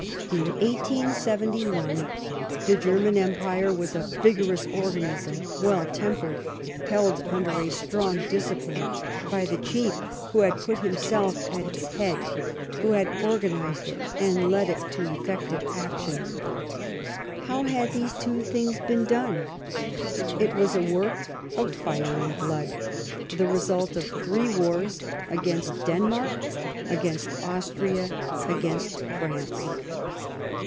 In 1871 the German Empire was a vigorous or ganism, well tempered, held under a strong dis cipline by the chief who had put himself at its head, who had organized it and led it to effective action. How had these two things been done ? It was a work of " fire and blood," the result of three wars, against Denmark, against Austria, against France.